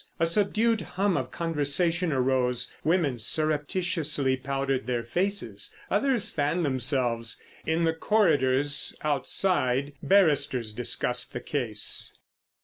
A subdued hum of conversation arose; women surreptitiously powdered their faces, others fanned themselves. In the corridors outside barristers discussed the case.